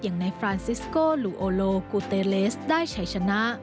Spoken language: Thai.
อย่างในฟรานซิสโกลูโอโลกูเตเลสได้ชัยชนะ